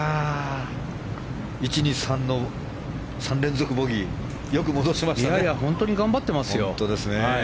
１、２、３の３連続ボギーから本当に頑張ってますよ。